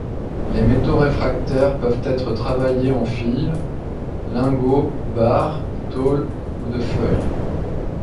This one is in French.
Les métaux réfractaires peuvent être travaillés en fils, lingots, barres, tôles ou de feuilles.